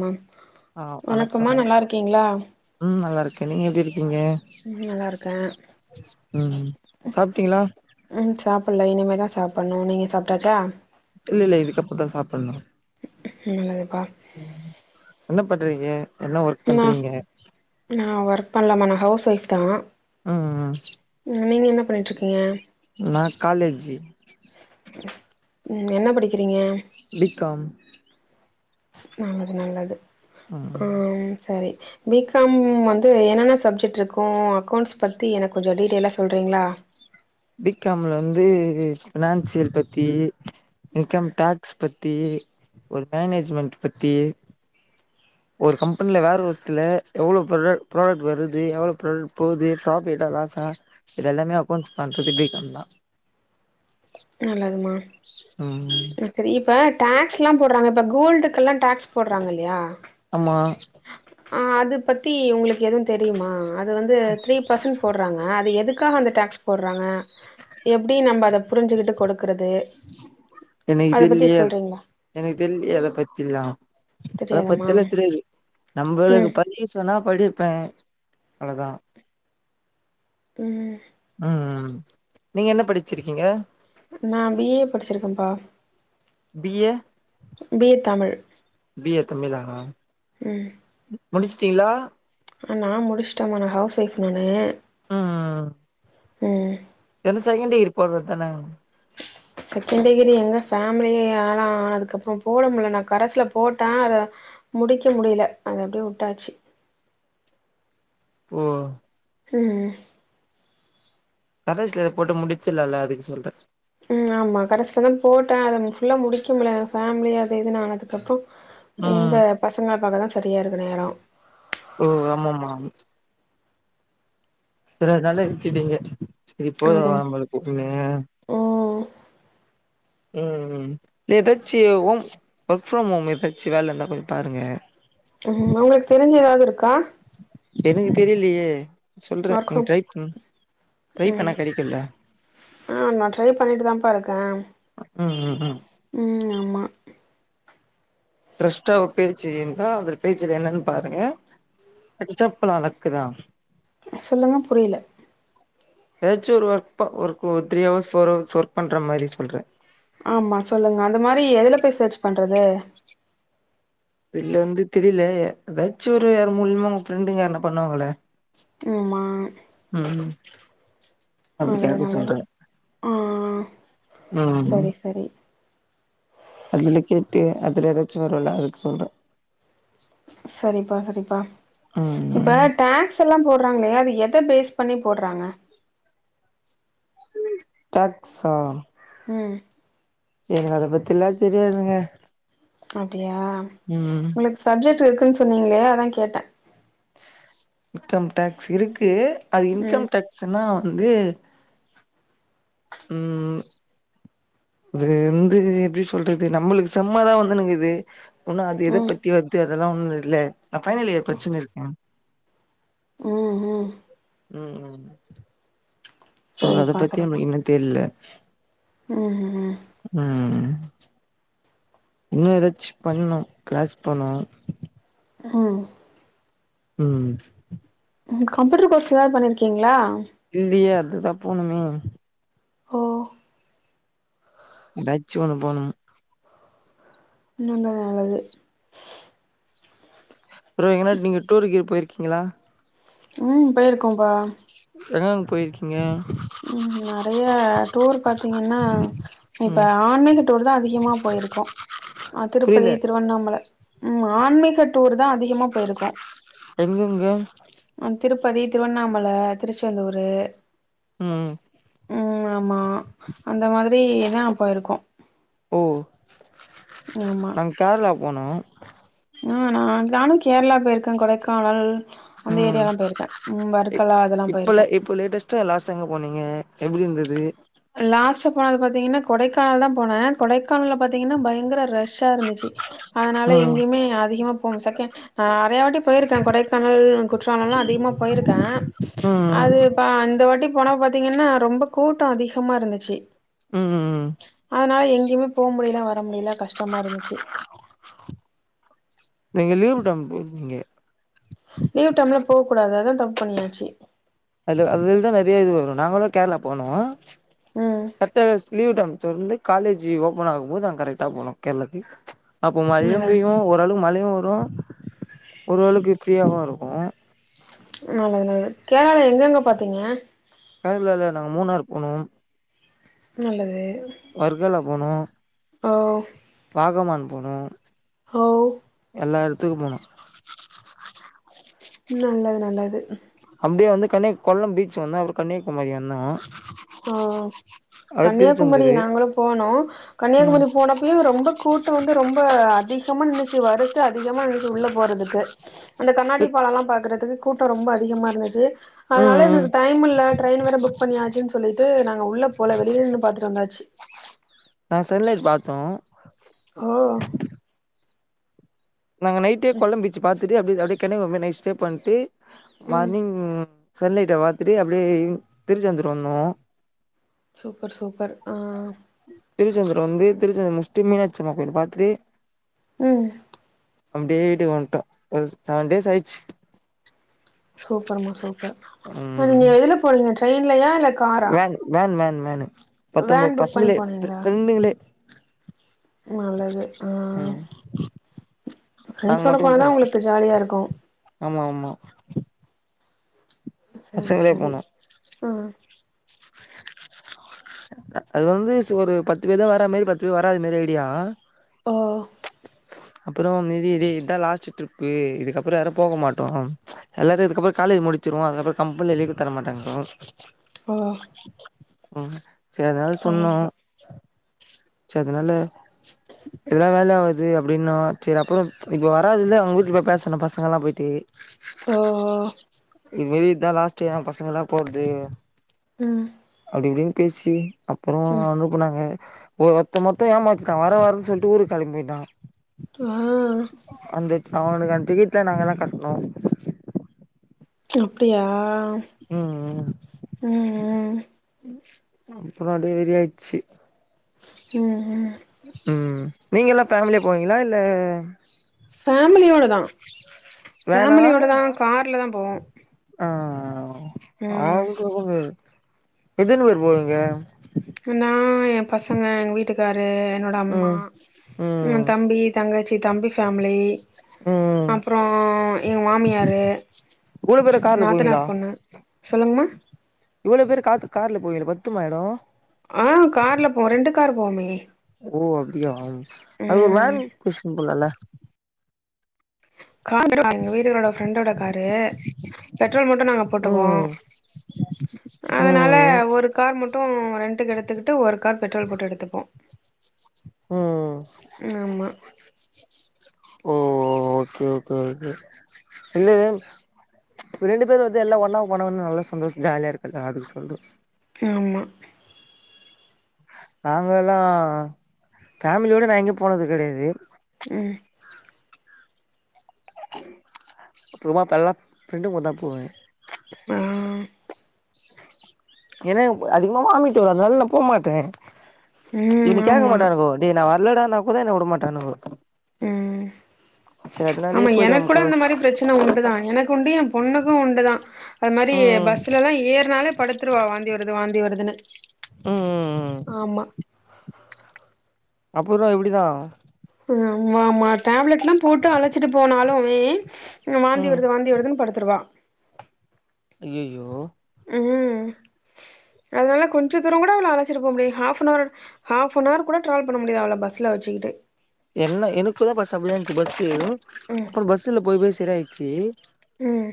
ஆ ஆ வணக்கம் வணக்கம்மா நல்லா இருக்கீங்களா ம் நல்லா இருக்கே நீங்க எப்டி இருக்கீங்க நல்லா இருக்கே ம் சாப்ட்டீங்களா ம் சாப்பிட்ல இனிமேதா சாப்புட்ணு நீங்க சாப்ட்டாச்சா இல்ல இல்ல இதுக்கப்புற தா சாப்பிட்ணு நல்லதுப்பா என்ன பண்றீங்க என்ன ஒர்க் பண்றீங்க ந ஒர்க் பண்ணலமா நா ஹவ்ஸ் ஒய்ப் தா ம் ம் ம் நீங்க என்ன பண்ணிட்டு இருக்கீங்க நா காலேஜி ம் என்ன படிக்கிறீங்க பீ காம் நல்லது நல்லது ம் ம் ஹாம் சரி பி காம் வந்து என்னென்ன சப்ஜெக்ட் இருக்கு அக்கௌண்ட்ஸ் பத்தி எனக்கு கொஞ்சோ டீட்டெய்லா சொல்றீங்களா பி காம்ல வந்து ஃபினான்சியல் பத்தி இன்கம் டேக்ஸ் பத்தி ஒரு மேனேஜ்மெண்ட் பத்தி ஒரு கம்பென்ல வேர்ஹவுஸ்ல எவ்ளோ ப்ரடட் ப்ராடட் வருது எவ்ளோ ப்ராடட் போவுது ப்ராஃபிட்டா லாஸா இதெல்லாமே அக்கௌண்ட்ஸ் பண்றது பி காம் தா நல்லதுமா ம்ம் எனக் தெரி இப்ப டேக்ஸ்லா போட்றாங்க இப்ப கோல்டுக்கெல்லா டேக்ஸ் போட்றாங்கல்லியா ஆமா அது பத்தி உங்குளுக்கு எதுவு தெரியுமா அது வந்து த்ரீ பர்சன்ட் போட்றாங்க அ அது எதுக்காக அந்த டாக்ஸ் போட்றாங்க எப்டி நம்ப அத புரிஞ்சுகிட்டு கொடுக்கறது எனக் அத பத்தி தெரிலியே சொல்றீங்களா எனக் தெரிலியே அத பத்தில்லாம் அத தெரியாதம்மா பத்தல்லா தெரியாது நம்பளுக்கு ம் படிக்க சொன்னா படிப்பே அவ்ளதா ம்ம் ம்ம் நீங்க என்ன படிச்சிருக்கீங்க நா பி ஏ படிச்சிருக்கம்ப்பா B A B A Tamil B A Tamil தான ம் முடுச்ட்டிஹ்ளா நா முடுச்ட்டமா நா ஹவுஸ் ஒய்ஃப் நானு ம்ம்ம் ம்ம் அது செகண்ட் டிகிரி போட்றதான செகண்ட் டிகிரி எங்க ஃபேமிலியே ஆளா ஆனதுக்கப்பறோ போட முல்ல நா கரஸ்ல போட்ட அத முடிக்க முடியில அத அப்டியே உட்டாச்சு ஓ ம் கரஸ்ல போட்டு முடிச்சர்லால்ல அதுக் சொல்றே ம் ஆமா கரஸ்லதா போட்டே அத ஃபுல்லா முடிக்க முட்ல ஏனா ஃபேமிலி அது இதுன் ஆனதுக்கப்றோ எங்க ம் பசங்கள பாக்கத சரியா இருக்கு நேரோ ஓ ஆமாம்மா செரி அதனால விட்டுட்டீங்க செரிப்போது ஆமா நம்புளுக்கு அப்டினு ம் ம் ம் இல்ல எதாச்சி ஹோம் ஒர்க் ஃப்ரம் ஹோம் எதாச்சி வேல இருந்தா போய் பாருங்க ம் உங்களுக்கு தெரிஞ்சு எதாது இருக்கா எனக்கு தெரிய்லியே சொல்றே ஒர்க் நீ ஃப்ரம் ட்ரை பண்ணு ட்ரை பண்ணா கெடைக்குல்ல அ நா ட்ரைப் பண்ணிட்டு தாம்ப்பா இருக்கே ம் ம் ம் ம் ஆமா ட்ரஸ்டா அவர் பேச்சு இர்ந்தா அவர் பேச்சுல என்னன் பாருங்க கெடச்சா அப்ல லக்குதா அ சொல்லுங்க புரியில எதாச்சு ஒரு ஒர்க் ப ஒரு ஒரு three hours four hours work பண்ற மாரி சொல்ற ஆமா சொல்லுங்க அந்த மாரி எதுல போய் சர்ச் பண்றது வெள்ளேந்து தெரில எதாச்சு ஒரு யாரு மூலிமா ஒங்க ஃப்ரெண்டுங்க யார்னா பண்ணுவாங்களே ம்மா ம் அப்டி நல்லது கேட்டு நல்லது சொல்றே ஆ ம் சரி சரி அதுல கேட்டு அதுல எதாச்சு வருல்ல அதுக்கு சொல்றே சரிப்பா சரிப்பா ஆமா இப்ப டாக்ஸ்ஸல்லா போட்றாங்களே அது எத பேஸ் பண்ணி போட்றாங்க டேக்ஸ்ஸா ம் எனக்கு அத பத்தி எல்லா தெரியாதுங்க அப்டியா ம் உங்களுக்கு சப்ஜெக்ட் இருக்குன் சொன்னீங்ளே அதா கேட்டே இன்கம் டேக்ஸ் இருக்கு அது ம் இன்கம் டேக்ஸ்ன்னா வந்து ம் அது வந்து எப்டி சொல்றது நம்மளுக்கு சம்மாதா வந்துணுக்குது உன்னு அது எத ம் பத்தி யு அதெல்லா ஒண்ணு இல்ல நா பைனல் இயர் படிச்சினு இருக்கே ம் ம் ம் ம் சோ அத சரிப்பா பத்தி சரிப்பா நம்மளுக்கு இன்னு தெர்ல ம் ஹும் ம் இன்னு எதாச்சு பண்ணு க்ளாஸ்க் போணு ம் ம் ம் கம்ப்யூட்டர் கோர்ஸ்லா எதா பண்ணிருக்கீங்களா இல்லியே அதுதா போணுமே ஓ ஏதாச்சு ஒண்ணு போணும் இன்னொன்னு நல்லது அப்பறோ எங்ட்னா நீங்க டூரூக்கு கிரு போயிருக்கீங்களா ம் போயிருக்கோப்பா எங்கங்கு போயிருக்கீங்க ம் நறைய டூர் பாத்தீங்கன்னா ம் இப்ப ஆன்மீக டூர் தா அதிகமா போயிருக்கோ ஆ புரில திருப்பதி திருவண்ணாமல ம் ஆன்மீக டூர் தா அதிகமா போயிருக்கோ எங்கங்க அ திருப்பதி திருவண்ணாமல திருச்செந்தூரு ம் ம் ஆமா அந்த மாதிரியேதா போயிருக்கோ ஓ ஆமா நாங்க கேரளா போனோ ஆ நா நானு கேரளா போயிருக்கே கொடைக்கானல் அந்த ம் ஏரியால்லா போயிருக்கே ம் வற்கலா அதெல்லா போயிருக்கே த்தே லாஸ்ட்டா எங்க போனீங்க எப்டியிருந்தது லாஸ்ட்டா போனது பாத்தீங்கன்னா கொடைக்கானல் தா போனே கொடைக்கானல்ல பாத்தீங்கன்னா பயங்கர ரஷ்ஷா இருந்துச்சு அதனால ம் எங்கேயுமே அதிகமா போகல செகண்ட் ஆ நறையவாட்டி போயிருக்கே கொடைக்கானல் குற்றாலலா அதிகமா போயிருக்கே ம் இப்ப அந்த வாட்டி போன பாத்தீங்கன்னா ரொம்ப கூட்டோ அதிகமாருந்துச்சு ம் ம் அதனால எங்கேயுமே போ முடியல வர முடியல கஷ்டமாருந்துச்சு நீங்கள் லீவுட்டம்ங் போயிருங்கீங்க லீவ் டைம்ல போக்கூடாது அதா தப்பு பண்ணியாச்சு அது அதுல தா நறைய இது வரு நாங்கலு கேரளா போனோ ம் கர்ட்டா லீவ் டைம் தொர்ந்து காலேஜி ஓபன் ஆகம்போது நாங்க கரெக்ட்டா போனோம் கேரளாக்கு அப்போ மல நல்லது பெயு ஓரளவுக்கு மழையு வரு ஓரளவுக்கு ஃப்ரீயாவு இருக்கு நல்லது நல்லது கேரளால எங்கங்க பாத்தீங்க கேரளால நாங்க மூணார் போனோம் நல்லது வர்க்கலா போனோ ஓ வாகமான் போனோ ஓ எல்லா எடத்துக்கும் போனோ நல்லது நல்லது அப்டியே வந்து கன்னியா கொல்லம் பீச் வந்தோ அப்புறோ கன்னியாகுமரி வந்தோ ஆ அப்றோ கன்னியாகுமரி திருச்செந்தூரு நாங்களு போனோ ம் கன்னியாகுமரி போனப் இப்பயு ரொம்ப கூட்டோ வந்து ரொம்ப அதிகமா நின்னுச்சு வருச அதிகமா நின்னுச்சு உள்ள போறதுக்கு அந்த கண்ணாடி பாலோல்லா பாக்கறதுக்கு கூட்டோ ரொம்ப அதிகமாருந்துச்சு ம் அதனால ம் எங்களுக்கு டைமில்ல ட்ரெயின் வேற புக் பண்ணியாச்சுன்னு சொ சொல்லிட்டு நாங்க உள்ள போல வெளிய நின்னு பாத்துட்டு வந்தாச்சி நா சென்லைட் பாத்தோ ஓ நாங்க நைட்டே கொல்லம் பீச் பாத்துட்டு அப்டே அப்டே கெனேவாம்லே நைட் ஸ்டே பண்ட்டு ம் மார்னிங் சன்லைட்ட பாத்துட்டு அப்டியே திருச்செந்தூர் வந்தோ சூப்பர் சூப்பர் ஆ திருச்செந்தூர் வந்து திருச்செந்தூர் முஸ்ட்டு மீனாட்சியம்மா கோயிலு பாத்துட்டு ம் அப்டியே வீட்டுக்கு வந்ட்டோ ஒரு செவன் டேஸ் ஆயிர்ச்சு சூப்பர்மா சூப்பர் நீங்க ம் எதுல போனீங்க ட்ரெய்ன்லயா இல்ல காரா வேன் வேன் வேன் வேனு பத்தம்போது வேன் புக் பண்ணி பசங்களே ஃப போனீங்களா ஃப்ரெண்டுங்ளே நல்லது ஆ ம் நாங்க ஃப்ரெண்ட்ஸோட மட்டுமே போனாதா போனு உங்களுக்கு ஜாலியா இருக்கு ஆமா ஆமா சரி பசங்களே சரி போனோ ம் அது வந்து சு ஒரு பத்து பேர் தா வரா மேரி பத்து பேர் வராத மேரி ஐடியா ஓ அப்பறோ இது மேரி டே இதா லாஸ்ட்டு ட்ரிப்பு இதுக்கப்பறோ யாரு போக மாட்டோ எல்லாரு இதுக்கப்பறோ காலேஜ் முடிச்சிருவோ அதுக்கப்றோ கம்பெனில லீவு தர மாட்டாங்க ஆமா ம் சேரி அதுனால் சொன்னோ அதனால சேர் அதுனால இதெல்லா வேலயாவ து அப்டின்னோ சேரி அப்பறோ இப்ப வராதவ்ங்க அவுங் வூட்ல போய் பேசுணோ பசங்கல்லா போய்ட்டு ஓ ஓ இது மேரி இதா லாஸ்ட்டே பசங்கல்லா போற்து ம் அப்டி இப்டினு பேசி அப்பறோ ம் அனுப்புனாங்க ஓ ஒர்த்த மட்டு ஏமாத்திர்க்கா வர வரன் சொல்ட்டு ஊருக் கெளம்பிட்டா ஆ அந்த அவனுக்கு அந் டிக்கெட்லா நாங்க தா கட்ணோ அப்டியா ம் ம் ம் ம் அப்றோ அப்டே ஏறியாச்சு ம் ம் ம் நீங்கல்லா பேம்லியா போவீங்களா இல்ல ஃபேமிலியோட தா வேனா ஃபேமிலியோட தா கார்ல தா போவோ ஆ ம் [unintelligible] முடியாது எத்தன் பேர் போவீங்க நா எ பசங்க எங்க வீட்டுக் காரு என்னோட அம்மா ம் ம் எந்தம்பி எந்தங்கச்சி தம்பி ஃபேமிலி ம் அப்புறோ எங்க மாமியாரு இவ்ளோ பேரு கார்ல போவீங்களா சொல்லுங்மா இவ்வளோ பேரு காத்து கார்ல போறீங்களே பத்துமா எடோ ஆ கார்ல போவோ ரெண்டு கார் போவமே ஓ அப்டியா அதுக் ஒரு வேன் புட்ஸின் போலால்ல காரு [inaudible] எங்க வீட்டுகாரோட ஃப்ரெண்டோட காரு பெட்ரோல் மட்டு நாங்க போட்டுக்குவோ ம் அதனால ம் ஒரு கார் மட்டு ரெண்ட்டு்க்கு எடுத்துகிட்டு ஒரு கார் பெட்ரோல் போட்டு எடுத்துப்போ ம் ம் ஆமா ஓ ஓ ஓகே ஓகே ஓகே இல்லயே ரெண்டு பேரு வந்து எல்லா ஒன்னா போனன்னு நல்லா சந்தோஷ ஜாலியா இருக்குல்ல அது சொல்து ஆமா நாங்கள்ளா ஃபேமிலியோட நா எங்கயு போனது கெடயாது ம் அப்புறமா பல்லா ஃப்ரெண்டு கூட தா போவ ஆ ஏன்னா என அதிகமா வாமிட் வரு அதனால நா போ மாட்டே ம் இவனுக கேக்க ஆமா மாட்டானுங்கோ டே நா வரல்லடா நா கூட என்ன உடமாட்டானுங்கோ ம் ஆமா எனக்கு கூட இந்த மாரி பிரச்சன உண்டுதா எனக் உண்டு எ பொண்ணுக்கு உண்டுதா அது மாரி ம் பஸ்லல்லா ஏறுனாலே படுத்துருவா வாந்தி வருது வாந்தி வருதுன்னு ம் ம் ஆமா அப்பறோ எப்டிதா ஆம்மாம்மா டேப்லெட்லா போட்டு அழச்சிட்டு போனாலுமே வாந்தி ம் வருது வாந்தி வருதுன் படுத்துருவா ஐயய்யோ ம் அதனால கொஞ்ச தூர கூட அவள அழச்சிட்டு போ முடியா ஹாஃப நவர் ஹாஃப நவர் கூட டிராவல் பண்ண முடியாது அவள பஸ்ல வச்சுகிட்டு என்ன எனக்கு தா பஷ்சு அப்டிதா இந்துச்சு பஸ்ஸு ம் அப்புற பஸ்ஸுல போய் போய் சரியா ஆயிச்சு ம்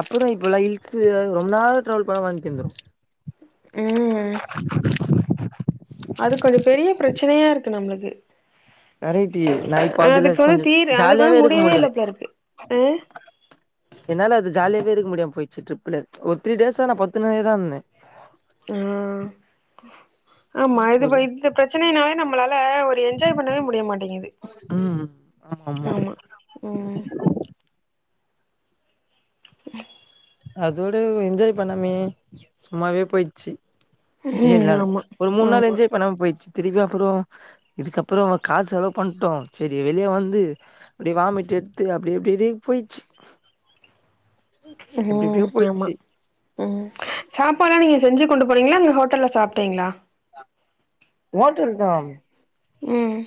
அப்புற இப்பலா ஹில்ஸு ரொம்ப நாள் டிராவல் பண்ணா வாமிட் வந்துரு ம் அது கொஞ்ச பெரிய பிரச்சனையா இருக்கு நம்மளுக்கு [inaudible] கரெக்டிது நா இப்போ அதுல அதுக்கு வந்து கொஞ்ச தீர் அதுக்கு ஜாலியாவே வந்து இருக்க முடியவே முடில இல்ல போல இருக்கு ஆ என்னால அது ஜாலியாவே இருக்க முடியாம போயிச்சு ரிப்புல ஒரு த்ரீ டேஷ நா பத்துனே தா இருந்தே பத்துகனேஇருந்தேன் ஆ ஆமா இது ஒரு [unintelligible] பிரச்சனைனாலே நம்மளால ஒரு என்ஜாய் பண்ணவே முடிய மாட்டேங்குது ம் ஆமா ம் [inaudible] அதோடு என்ஜாய் பண்ணாமயே சும்மாவே போயிச்சு ஏழு ம் நாலு ஆமா ஒரு மூணு நாள் ஆமா என்ஜாய் பண்ணாம போயிடுசு திருப்பி அப்புறோ இதுக்கப்புறோ காசு செலவு பண்ட்டோ சரி வெளியே வந்து அப்டி வாமிட் எடுத்து அப்டி எப்டி எப்டினு போயிச்சு அத எப்டி எப்டியோ ஆமா போயிச்சு ம் சாப்பாலா நீங்க செஞ்சு கொண்டு போரீங்களா இல்ல ஹோட்டல்ல சாப்ட்டீங்களா ஓட்டல் தா ம்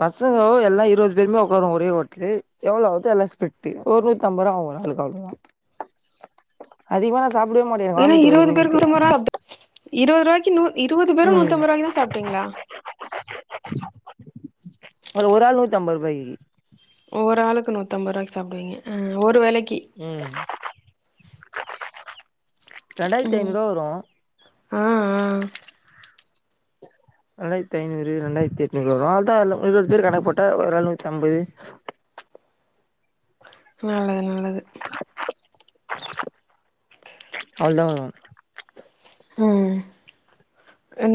பசங்கோ எல்லா இருவது பேருமே ஒக்காருவோ ஒரே ஓட்லு எவ்வளோ வருதோ எல்லா ஸ்பிலிட்டு ஒரு நூத்தம்பருவா ஆவு ஒரு ஆளுக்கு அதிகமா நா சாப்புடவே மாட்டே ஏன்னா வாமிட் இருவது பேருக்கு வருமேன்ட்டு நூத்தம்பது ரூபா இருவது ரூவாய்க்கு இருவது பேரு ம் நூத்தம்பது ரூவாய்க்கு தா சாப்ட்டீங்களா ஒரு ஆள் நூத்தி ஐம்பது ரூவாகி ஒரு ஆளுக்கு நூத்தம்பது ரூவாய்க்கி சாப்டுவீங்க ஒரு வேலைக்கு ம் ரெண்டாயிரத்தி ம் ஐநூறுவா வரு ஆ ஆ ரெண்டாயிரத்தி ஐநூறு ரெண்டாயிரத்தி எட்நூறு வரு அவ்ளதா இருவது பேர் கணக்கு போட்டா ஒரு ஆளு நூத்தி அம்பது நல்லது நல்லது அவ்ள் தா வரு ம்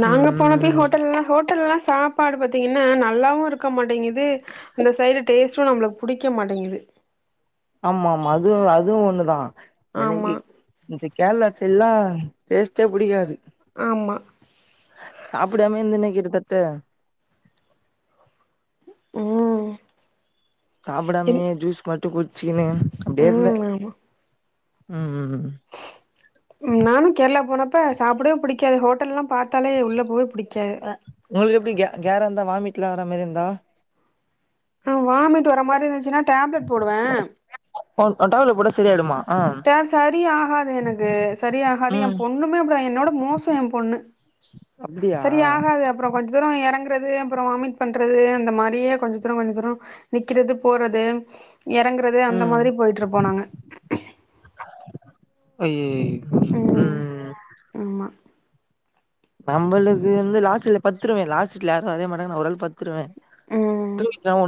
நாங்க போனப்பயே ம் ஹோட்டல்லா ஹோட்டல் எல்லா சாப் சாப்பாடு பாத்தீங்கன்னா நல்லாவு இருக்க மாட்டேங்குது அந்த சைடு டேஸ்ட்டு நம்ளுக்கு புடிக்க மாட்டேங்குது ஆமாமா அது அதுவு ஒண்ணுதா ஆமா எனக்கி இந்த கேரளா சைட்ல்லா டேஸ்ட்டே புடிக்காது ஆமா சாப்டாமே இருந்தனே கிட்ட தட்ட ம் என் சாப்டாமயே ஜூஸ் மட்டு குடிச்சிக்கினு அப்டியே இருந்த ம் ஆமா ம் ம் ம் நானு கேரளா போனப்ப சாப்டவே புடிக்காது ஹோட்டல்லா பாத் தாலே உள்ள போவே புடிக்கா உங்களுக் எப்டி க கேரா இருந்தா வாமிட்லா வர மாரி இருந்தா ஆ வாமிட் வர மாரி இருந்துச்சுன்னா டேப்லெட் போடுவ ஒ டேப்லெட் போட்டா சரியாயிடுமா ஆ ட சரி ஆகாது எனக்கு சரியாகாது எ ம் பொண்ணுமே அப்டி தா என்னோட மோசோ எ பொண்ணு அப்டியா சரி ஆகாது அப்புறோ கொஞ்சோ தூரோ எறங்குறது அப்புறோ வாமிட் பண்றது அந்த மாரியே கொஞ்ச தூரோ கொஞ்ச தூரோ நிக்கிறது போறது எறங்குறது அந்த ம் மாரி போய்ட்டு இருப்போ நாங்க அய்யய் ம் ஆம்மா நம்மளுக்கு வந்து லாஸ்ட்ல பத்துருவ லாஸ்ட்ல யாருவரவே மாட்டாங்க நா ஒரு ஆளு பத்துருவ ம் [unintelligible]